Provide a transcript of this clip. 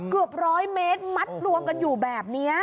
เกือบร้อยเมตรมัดรวมกันอยู่แบบนี้